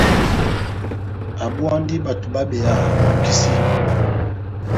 Abówandi bato babeyahani ó kisini.